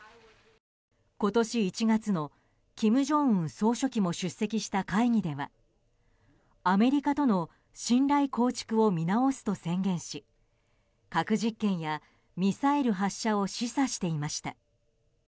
今年１月の金正恩総書記も出席した会議ではアメリカとの信頼構築を見直すと宣言し核実験やミサイル発射を示唆していました。